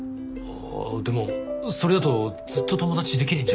ああでもそれだとずっと友達できねえんじゃ。